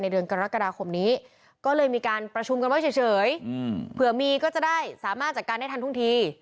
เดี๋ยวมีก็จะได้สามารถจัดการได้ทันทุ่งที